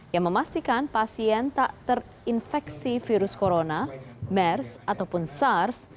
yang memastikan pasien tak terinfeksi virus corona mers ataupun sars